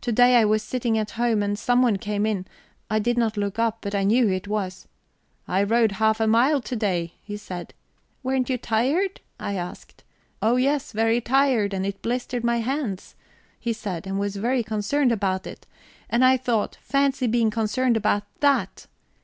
To day I was sitting at home, and someone came in; I did not look up, but I knew who it was. 'I rowed half a mile to day,' he said. 'Weren't you tired?' I asked. 'Oh yes, very tired, and it blistered my hands,' he said, and was very concerned about it. And I thought: Fancy being concerned about that!